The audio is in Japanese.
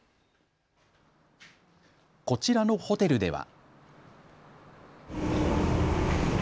こちらのホテルでは。